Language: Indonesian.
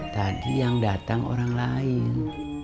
tadi yang datang orang lain